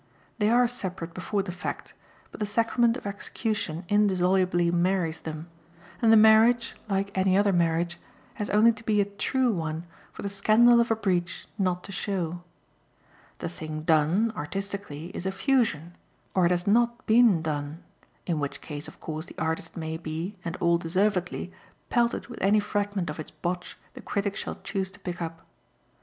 They are separate before the fact, but the sacrament of execution indissolubly marries them, and the marriage, like any other marriage, has only to be a "true" one for the scandal of a breach not to show. The thing "done," artistically, is a fusion, or it has not BEEN done in which case of course the artist may be, and all deservedly, pelted with any fragment of his botch the critic shall choose to pick up.